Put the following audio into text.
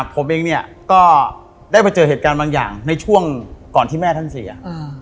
ผมเองเนี่ยก็ได้มาเจอเหตุการณ์บางอย่างในช่วงก่อนที่แม่ท่านเสีย